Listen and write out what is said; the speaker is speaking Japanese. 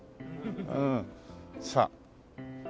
うん。さあ。